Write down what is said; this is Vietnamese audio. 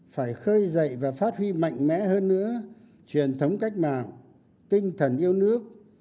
phải khơi dậy và phát huy mạnh mẽ hơn nữa truyền thống cách mạng tinh thần yêu nước